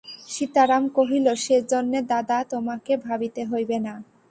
সীতারাম কহিল, সেজন্যে দাদা তোমাকে ভাবিতে হইবে না।